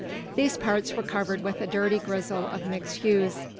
These parts were covered with a dirty grizzle of mixed hues.